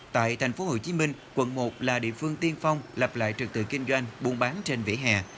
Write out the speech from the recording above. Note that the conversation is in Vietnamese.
tại thành phố hồ chí minh quận một là địa phương tiên phong lặp lại trực tự kinh doanh buôn bán trên vỉa hè